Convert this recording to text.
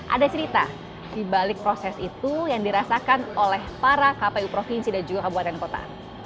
ada cerita di balik proses itu yang dirasakan oleh para kpu provinsi dan juga kabupaten kota